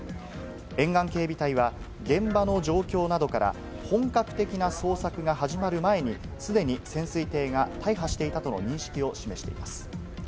沿岸警備隊は現場の状況などから本格的な捜索が始まる前にすでに潜水艇が大破していたとの認識を示しています。